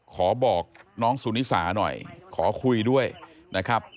บอกน้องสุนิสาหน่อยขอคุยด้วยนะครับ